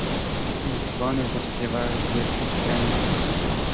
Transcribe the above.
"Dzwony zaśpiewały z wież kościelnych."